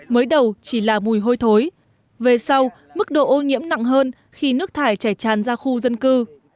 mới đầu chỉ là mùi hôi thối về sau mức độ ô nhiễm nặng hơn khi nước thải chảy tràn ra khu dân cư